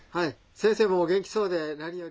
先生もお元気そうで何よりです」。